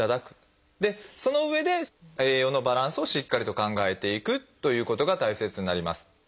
そのうえで栄養のバランスをしっかりと考えていくということが大切になります。